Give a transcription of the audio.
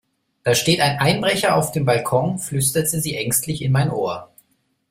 Da steht ein Einbrecher auf dem Balkon, flüsterte sie ängstlich in mein Ohr.